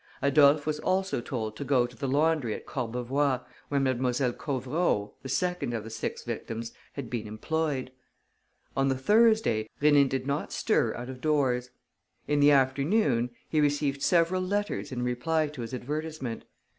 Adolphe was also told to go to the laundry at Courbevoie, where Mlle. Covereau, the second of the six victims, had been employed. On the Thursday, Rénine did not stir out of doors. In the afternoon, he received several letters in reply to his advertisement.